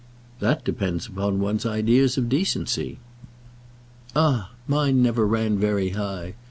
"That depends upon one's ideas of decency." "Ah! mine never ran very high.